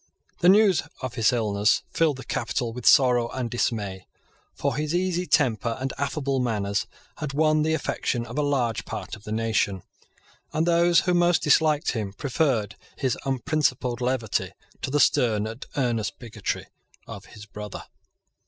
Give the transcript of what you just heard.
The news of his illness filled the capital with sorrow and dismay. For his easy temper and affable manners had won the affection of a large part of the nation; and those who most disliked him preferred his unprincipled levity to the stern and earnest bigotry of his brother.